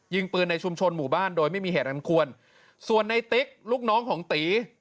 ยิงปืนในชุมชนหมู่บ้านโดยไม่มีเหตุอันควรส่วนในติ๊กลูกน้องของตี